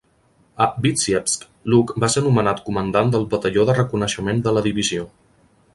A Vítsiebsk, Luck va ser nomenat comandant del batalló de reconeixement de la divisió.